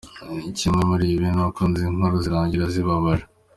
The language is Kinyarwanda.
Kimwe muri ibi ni uko izi nkuru zirangira zibabaje.